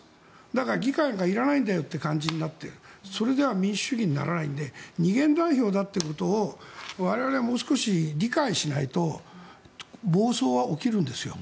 だから、議会がいらないんだよって感じになってそれでは民主主義にならないので二元代表だということを我々はもう少し理解しないと暴走は起きるんですよ。